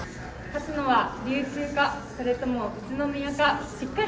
勝つのは琉球か、それとも宇都宮か。